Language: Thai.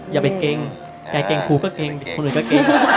อย่าไปเกงแกเกงครูก็เกงคนอื่นก็เกง